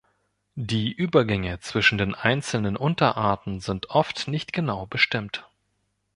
Die Übergänge zwischen den einzelnen Unterarten sind oft nicht genau bestimmt.